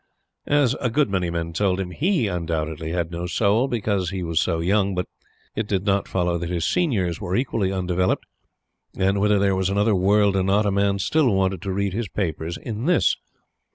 As a good many men told him, HE undoubtedly had no soul, because he was so young, but it did not follow that his seniors were equally undeveloped; and, whether there was another world or not, a man still wanted to read his papers in this.